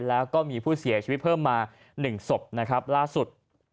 แล้วก็มีผู้เสียชีวิตเพิ่มมา๑ศพนะครับล่าสุด